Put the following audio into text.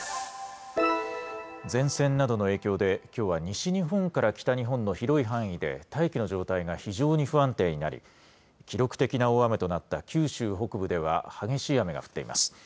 前線などの影響で、きょうは西日本から北日本の広い範囲で大気の状態が非常に不安定になり、記録的な大雨となった九州北部では、激しい雨が降っています。